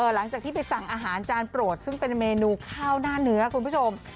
หลังจากที่ไปสั่งอาหารจานโปรดซึ่งเป็นเมนูข้าวหน้าเนื้อคุณผู้ชม